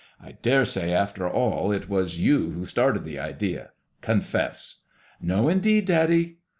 I dare say after all it was you who started the idea. Confess." " No, indeed, daddy."